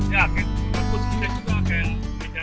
ya aku segini juga kayak